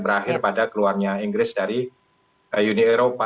terus akhir pada keluarnya inggris dari uni eropa